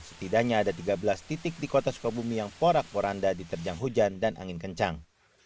setidaknya ada tiga belas titik di kota sukabumi yang porak poranda diterjang hujan dan angin kencang